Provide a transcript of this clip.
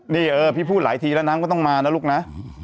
นี่เออพี่พูดหลายทีแล้วน้ำก็ต้องมานะลูกนะ